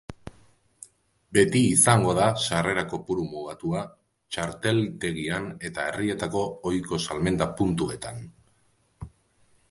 Beti izango da sarrera kopuru mugatua txarteltegian eta herrietako ohiko salmenta puntuetan.